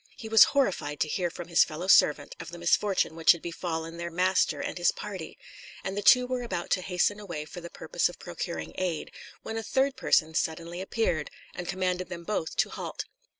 He was horrified to hear from his fellow servant of the misfortune which had befallen their master and his party; and the two were about to hasten away for the purpose of procuring aid, when a third person suddenly appeared, and commanded them both to halt.